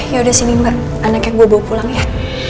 ya udah sini mbak anaknya gue bawa pulang ya